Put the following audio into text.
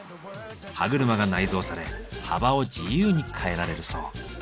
歯車が内蔵され幅を自由に変えられるそう。